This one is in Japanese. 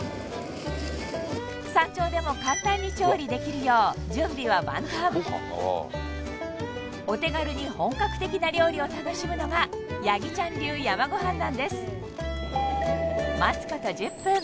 山頂でも簡単に調理できるよう準備は万端お手軽に本格的な料理を楽しむのがやぎちゃん流山ごはんなんです